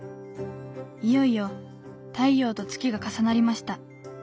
いよいよ太陽と月が重なりました。